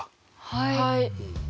はい。